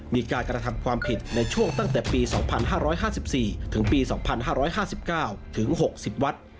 มีการกระทำความผิดในช่วงตั้งแต่ปี๒๕๕๔ถึงปี๒๕๕๙ถึง๖๐วัด